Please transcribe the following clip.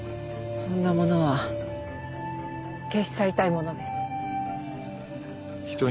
そんなものは消し去りたいものです。